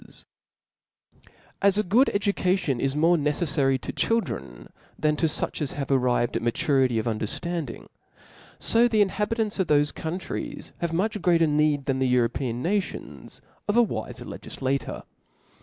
i8«« As 33^ THE SPIRIT Book • As a good education is more neceflary to chil Ch^^^ dren than to fuch as are arrived to a maturity of underftanding, fo the inhabitants of thoie countries have much greater need than the European nations of a wife legiflator..